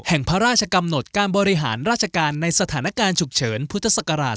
แห่งพระราชกำหนดการบริหารราชการในสถานการณ์ฉุกเฉินพุทธศักราช๒๕